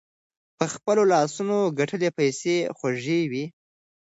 په خپلو لاسونو ګتلي پیسې خوږې وي.